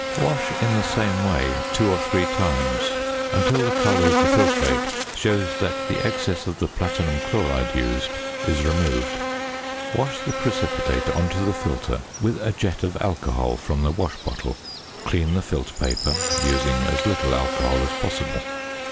Wash in the same way two or three times until the colour of the filtrate shows that the excess of the platinum chloride used is removed. Wash the precipitate on to the filter with a jet of alcohol from the wash bottle; clean the filter paper, using as little alcohol as possible.